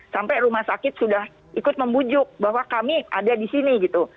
sampai rumah sakit sudah ikut membujuk bahwa kami ada di sini gitu